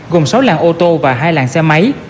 gồm sáu làng ô tô và hai làng xe máy